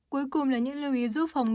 cuối cùng là những lưu ý giúp